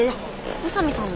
宇佐見さんは？